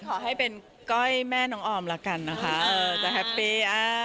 ขอให้เป็นก้อยแม่น้องออมละกันนะคะจะแฮปปี้